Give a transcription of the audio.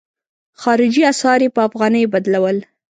خارجي اسعار یې په افغانیو بدلول.